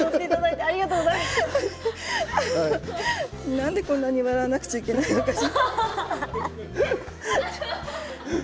なんでこんなに笑わなくちゃいけないのかしら。